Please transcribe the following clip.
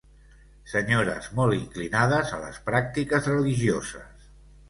Senyores molt inclinades a les pràctiques religioses.